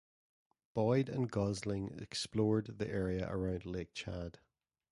Boyd and Gosling explored the area around Lake Chad.